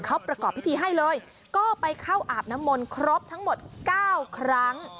เขาประกอบพิธีให้เลยก็ไปเข้าอาบน้ำมนต์ครบทั้งหมด๙ครั้ง